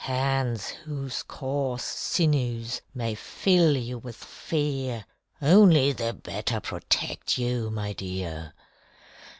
Hands whose coarse sinews may fill you with fear Only the better protect you, my dear!